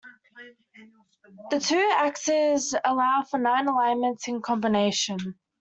The two axes allow for nine alignments in combination.